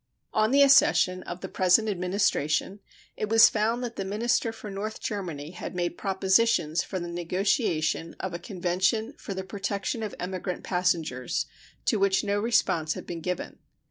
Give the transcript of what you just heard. On the accession of the present Administration it was found that the minister for North Germany had made propositions for the negotiation of a convention for the protection of emigrant passengers, to which no response had been given.